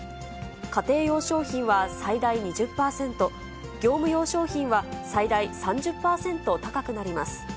家庭用商品は最大２０％、業務用商品は最大３０％高くなります。